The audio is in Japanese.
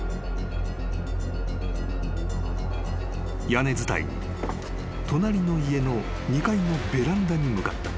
［屋根伝いに隣の家の２階のベランダに向かった］